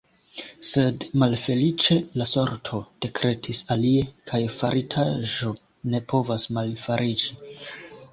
Sed, malfeliĉe, la sorto dekretis alie, kaj faritaĵo ne povas malfariĝi.